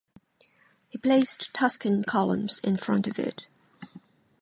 He placed Tuscan columns in front of it.